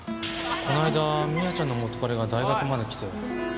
この間美亜ちゃんの元カレが大学まで来て。